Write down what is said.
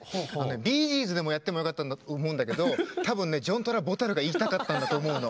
ビージーズでもやってもよかったんだと思うんだけどたぶんね、ジョン・トラボタルが言いたかったんだと思うの。